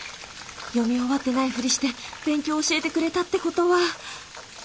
読み終わってないフリして勉強教えてくれたってことは。